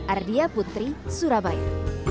ardia putri surabaya